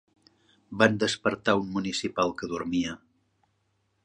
Van despertar un municipal que dormia